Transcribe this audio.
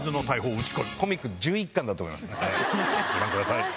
ご覧ください。